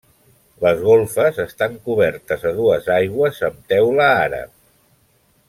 Les golfes estan cobertes a dues aigües amb teula àrab.